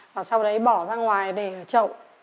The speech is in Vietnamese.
và sau đấy bỏ ra ngoài để ở chậu